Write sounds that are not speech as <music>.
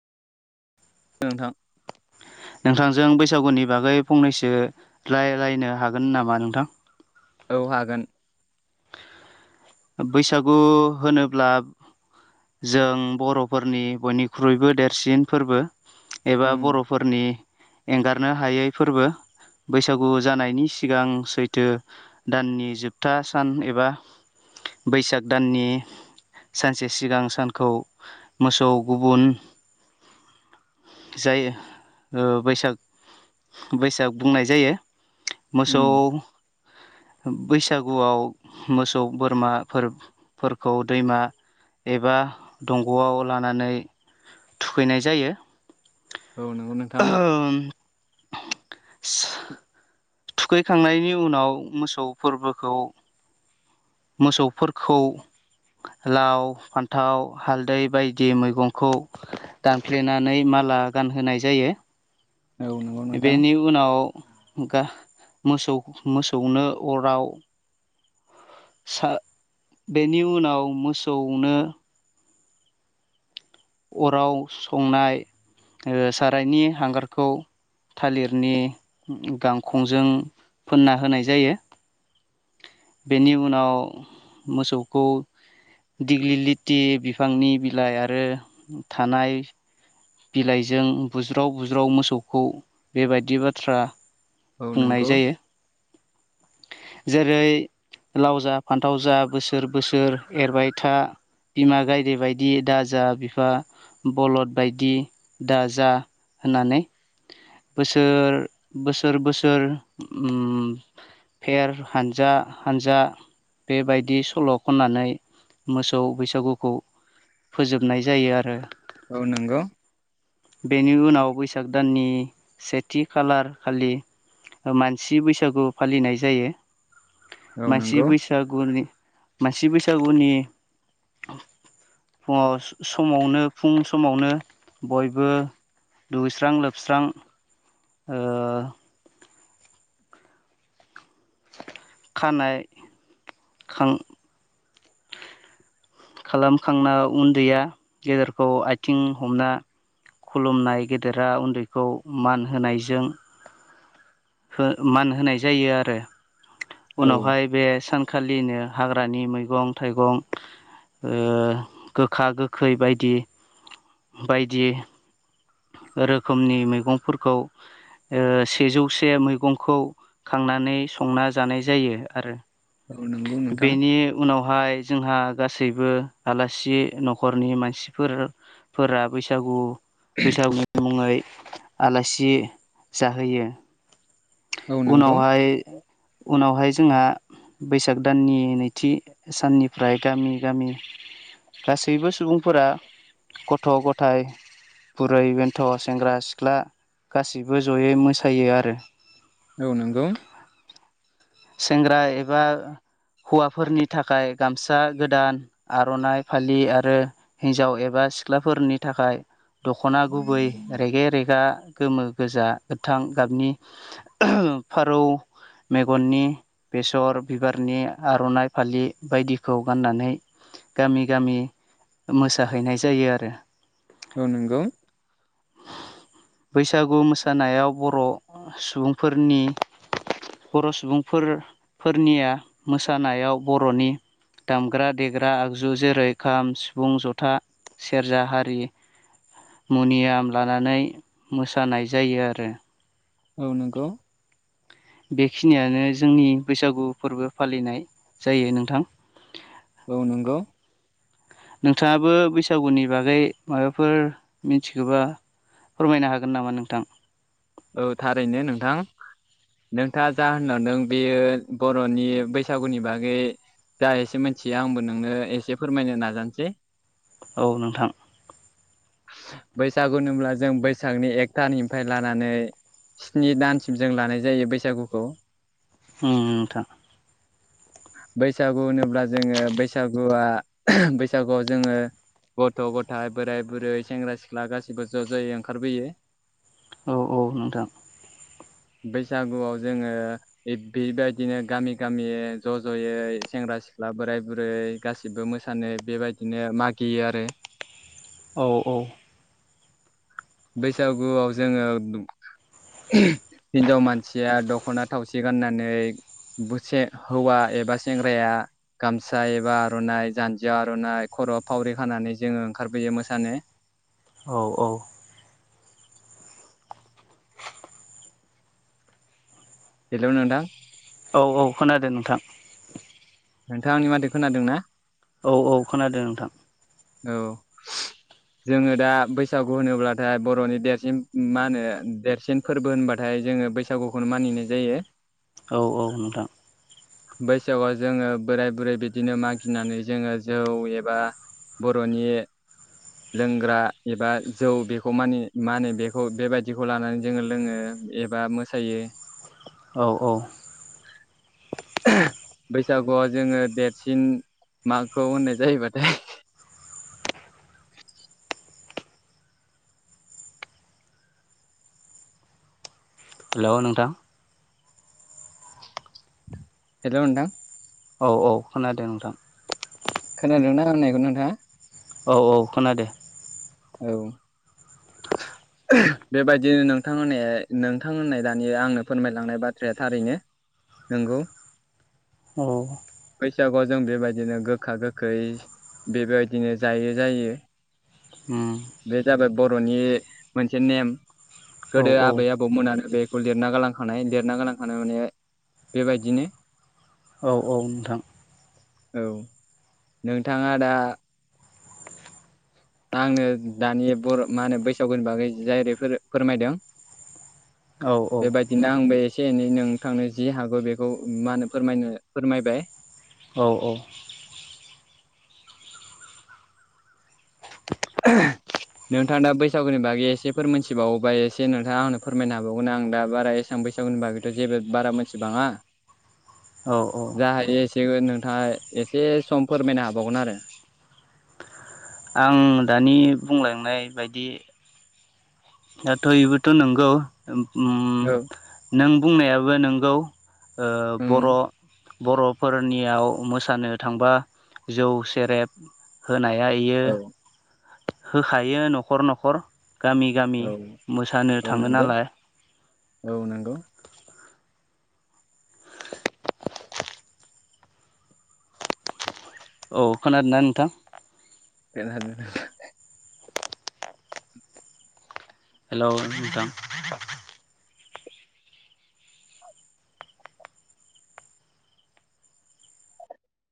नोंथां नोंथांजों बैसागुनि बागै फंनैसो लायरायनो हागोन नामा नोंथां औ हागोन बैसागु होनोब्ला जों बर'फोरनि बयनिख्रुइबो देरसिन फोरबो एबा उम बर'फोरनि एंगारनो हायै फोरबो बैसागु जानायनि सिगां सैथो दाननि जोबथा सान एबा बैसाग दाननि सानसे सिगां सानखौ मोसौ गुबुन जायो ओ बैसाग-बैसाग बुंनाय जायो। मोसौ उम बैसागुआव मोसौ सौ बोरमाफोर फोरखौ दैमा एबा दंग'आव लानानै थुखैनाय जायो। औ नंगौ नोंथां। स थुखैखांनायनि उनाव मोसौ फोरबोखौ मोसौफोरखौ लाव फान्थाव हालदै बायदि मैगंखौ दानफ्लेनानै मा माला गानहोनाय जायो औ नंगौ नोंथां बेनि उनाव गा मोसौ-मोसौनो अराव सा बेनि उनाव मोसौनो अराव संनाय ओ सारायनि हांगारखौ। थालिरनि गांखंजों फोनना होनाय जायो। बेनि उनाव मोसौखौ। दिग्लि लिटि बिफांनि बिलाइ आरो थानाय बिलाइजों बुज्राव-बुज्राव मोसौखौ बेबायदि बाथ्रा औ बुंनाय नंगौ। जायो जेरै लाव जा फान्थाव जा बोसोर बोसोर एरबाय था। बिमा गायदे बायदि दाजा बिफा बलद बायदि दाजा होननानै बोसोर बोसोर बोसोर उम। फेर हानजा-हानजा बेबायदि सल' खननानै मोसौ बैसागुखौ फोजोबनाय जायो आरो। औ नंगौ बेनि उनाव बैसाग दाननि सेथि खालार खालि मानसि बैसागु फालिनाय जायो औ मानसि नंगौ बैसागुनि मानसि बैसागुनि फुङाव स समावनो फुं समावनो बयबो दुैस्रां लोबस्रां खानाय खां खालामखांना उन्दैया गेदेरखौ आथिं हमना खुलुमनाय गेदेरा उन्दैखौ मान होनायजों खो मान होनाय जायो आरो औ उनावहाय बे सान खालिनो हाग्रानि मैगं थाइगं ओ गोखा-गोखै बायदि-बायदि रोखोमनि मैगंफोरखौ ओ सेजौसे मैगंखौ खांनानै संना जानाय जायो आरो। औ नंगौ नोंथां। बेहाय जोंहा गासैबो आलासि न'खरनि मानसिफोर फोर बैसागु बैसागुनि मुङै आलासि जाहोयो। औ नंगौ उनावहाय-उनावहाय जोंहा बैसाग दाननि नैथि साननिफ्राय गामि-गामि गासैबो सुबुंफोरा गथ' गथाय बुरै बेन्थ' सेंग्रा सिख्ला गासैबो जयै मोसायो आरो। औ नंगौ। सेंग्रा एबा हौवाफोरनि थाखाय गामसा गोदान आर'नाइ फालि आरो हिन्जाव एबा सिख्लाफोरनि थाखाय दख'ना गुबै रेगे रेगा गोमो गोजा गोथां गाबनि। फारौ मे आगननि बेसर बिबारनि आर'नाइ फालि बायदिखौ गाननानै गामि गामि मोसाहैनाय जायो आरो। औ नंगौ बैसागु मोसानायाव बर' सुबुंफोरनि बर' सुबुंफोरफोरनिया मोसानायाव बर'नि दामग्रा देग्रा आगजु जेरै खाम सिफुं जथा सेरजा हारि मनियाम लानानै मोसानाय जायो आरो। औ नोंगौ। बेखिनियानो जोंनि बैसागु फोरबो फालिनाय जायो नोंथां। औ नंगौ। नोंथाङाबो बैसागुनि बागै माबाफोर मिथिखोबा। फोरमायनो हागोन नामा नोंथां? औ थारैनो नोंथां। नोंथां जा होलांदों बेयो बर'नि बैसागुनि बागै। जा एसे मिथियो आंबो नोंनो एसे फोरमायनो नाजानोसै। औ नोंथां। बैसागु होनब्ला जों बैसागनि एकथारिगनिफ्राय लानानै स्नि दानसिम जों लानाय जायो बैसागुखौ। ओम नोंथां। <inaudible> बैसागु होनोब्ला जोङो बैसागुआ बैसागुआव जोङो। गथ' गथाय बोराय बुरै सेंग्रा सिख्ला गासिबो ज' ज'यै ओंखारबोयो। औ औ नोंथां। <inaudible> बैसागुआव जोङो बेबायदिनो गामि गामि ज' ज'यै सेंग्रा सिख सिख्ला बोराइ बुरै गासिबो मोसानो बेबायदिनो मागियो आरो। औ औ। बैसागुआव जोङो हिन्जाव मानसिया दख'ना थावसि गाननानै <unintelligible> हौवा एबा सेंग्राया गामसा एबा आर'नाइ जान्जियाव आर'नाइ ख खर'आव फावरि खानानै जोङो ओंखारबोयो मोसानो। औ औ। हेलौ नोंथां। औ औ खोनादों नोंथां। नोंथाङा आंनि माथो खोनादों ना? औ औ खोनादों नोंथां। औ। जोङो दा बैसागु होनोब्लाथाय बर'नि देरसिन मा होनो देरसिन फोरबो होनबा नाथाय जोङो बैसागुखौनो मानिनाय जायो। औ औ नोंथां बैसागआव जोङो बोराय बुरै बिदिनो मागिनानै जोङो जौ एबा बर'नि लोंग्रा एबा जौ बेखौ मानि मा होनो बेखौ बेबायदिखौ लानानै जोङो लोङो। एबा मोसायो। औ औ। <unintelligible> बैसागुआव जोङो देरसिन माखौ होननाय जायोबाथाय। <unintelligible> हेलौ नोंथां। हेलौ नोंथां। औ औ खोनादों नोंथां। खोनादोंना आं होननायखौ नोंथाङा? औ औ खोनादों। औ। बेबायदिनो नोंथां नोंथांमोननाय दानिया आंनो फोरमायलांनाय बाथ्राया थारैनो नंगौ औ बैसागुआव जों बेबायदिनो गोखा गोखै बेबायदिनो जायो जायो उम बे जाबाय बर'नि मोनसे नेम औ गोदो औ आबै आबौमोनानो बे फुुल लिरना गालांखानाय लिरना गालांखानाय माने बेबायदिनो औ औ नोंथां औ नोंथाङा दा आंनो दानि बर' मा होनो बैसागुनि बागै जायेरै फोरमायदों औ औ बेबायदिनो आंबो ए एसे एनै नोंथांनो जि हागौ बेखौ मा होनो फोरमायनो फोरमायबाय औ औ <inaudible> नोंथाङा दा बैसागुनि बागै एसे फोरमायथिबावोबा एसे नोंथाङा आंनो फोरमायनो हाबावगोननो आं दा बारा ए सान बैसागुनि बागैथ' जेबो बारा मोनथिबाङा औ औ जेबो नोंथाङा एसे सम फोरमायनो हाबावगोन आरो आं दानि बुंलांनाय बायदि दाथ' इबोथ' नंगौ उम औ नों बुंनायाबो नोंगौ ओ बर' ओम बर'फोरनियाव मोसानो थांबा जौ सेरेब होनाय आ बियो औ होखायो न'खर न'खर गामि गामि औ मोसानो औ थाङो नंगौ नालाय औ नंगौ औ खोनादोंना नोंथां <unintelligible> हेल' नोंथां